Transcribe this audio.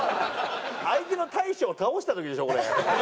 相手の大将を倒した時でしょこれ。